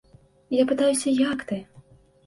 Я пытаюся, як ты?